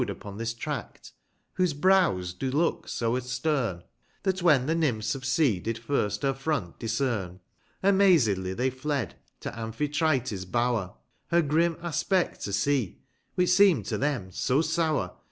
1S3 Bestow'd upon this tract, whose brows do look so stern, That when the Xymphs of sea did first her front discern, Aniazedly they tied, to Amjjhitrltes bower. 295 Her grim aspect to see, which seem'd to them so sour.